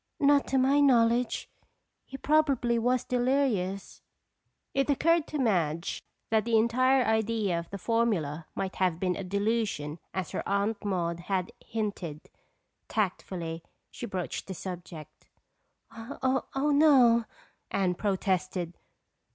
"Not to my knowledge. He probably was delirious." It occurred to Madge that the entire idea of the formula might have been a delusion as her Aunt Maude had hinted. Tactfully, she broached the subject. "Oh, no," Anne protested.